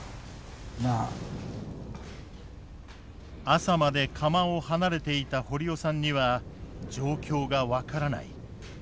朝まで釜を離れていた堀尾さんには状況が分からない。